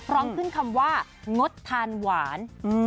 ร้องขึ้นคำว่างดทานหวาน